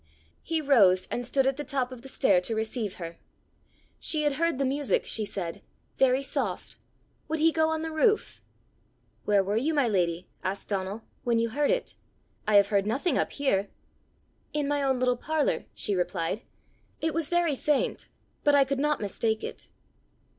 He rose and stood at the top of the stair to receive her. She had heard the music, she said very soft: would he go on the roof? "Where were you, my lady," asked Donal, "when you heard it? I have heard nothing up here!" "In my own little parlour," she replied. "It was very faint, but I could not mistake it."